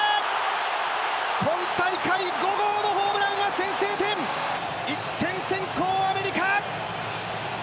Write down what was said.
今大会５号のホームランは先制点、１点先行アメリカ。